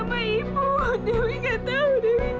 mama pergi sekarang